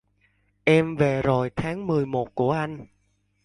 Em về rồi tháng mười một của anh